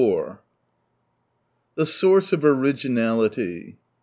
24 The source of originality.